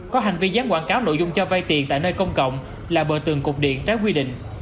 có hành vi gián quảng cáo nội dung cho vay tiền tại nơi công cộng là bờ tường cục điện trái quy định